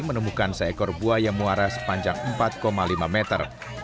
menemukan seekor buaya muara sepanjang empat lima meter